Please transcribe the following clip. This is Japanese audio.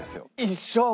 一緒！